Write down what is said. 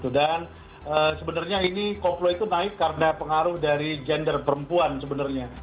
dan sebenarnya ini koplo itu naik karena pengaruh dari gender perempuan sebenarnya